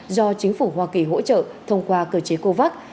do chính phủ hoa kỳ hỗ trợ thông qua cơ chế covax